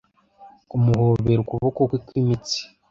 kumuhobera ukuboko kwe kw'imitsi